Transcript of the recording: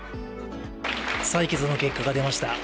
採決の結果が出ました。